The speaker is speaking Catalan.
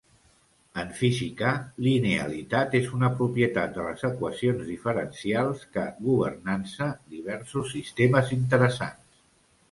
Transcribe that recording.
En física, linealitat és una propietat de les equacions diferencials que governança diversos sistemes interessants.